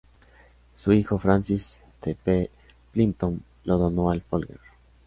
Su hijo, Francis T. P. Plimpton, lo donó al Folger.